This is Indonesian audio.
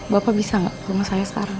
bapak bisa nggak rumah saya sekarang